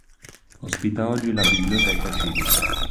Ospita oggi la biblioteca civica.